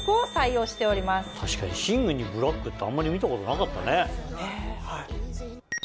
確かに寝具にブラックってあんまり見たことなかったね。ですよね。